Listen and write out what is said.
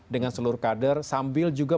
dengan seluruh kader sambil juga